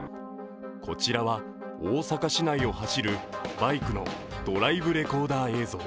こちらは大阪市内を走るバイクのドライブレコーダー映像。